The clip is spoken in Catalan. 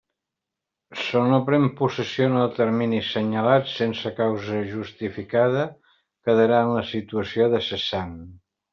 So no pren possessió en el termini assenyalat, sense causa justificada, quedarà en la situació de cessant.